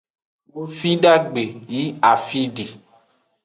Fidagbe yi afi di.